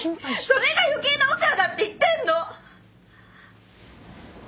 それが余計なお世話だって言ってんの！